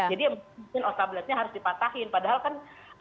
jadi mungkin otabletnya harus dipatahin padahal kan